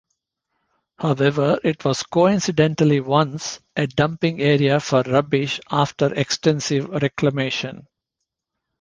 However, it was coincidentally once a dumping area for rubbish after extensive reclamation.